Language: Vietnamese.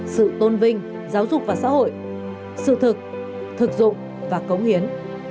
sự tôn vinh giáo dục và xã hội sự thực thực dụng và cống hiến